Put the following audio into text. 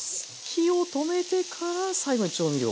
火を止めてから最後に調味料。